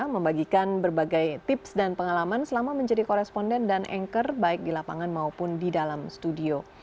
membagikan berbagai tips dan pengalaman selama menjadi koresponden dan anchor baik di lapangan maupun di dalam studio